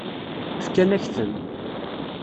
Fkan-ak-ten.